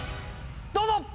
どうぞ！